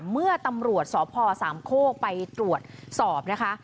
เมื่อตำรวจสพสามโคกไปตรวจสอบนะคะ